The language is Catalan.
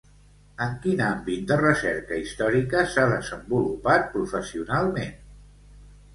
En quin àmbit de recerca històrica s'ha desenvolupat professionalment?